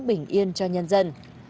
bình yên cho nhân dân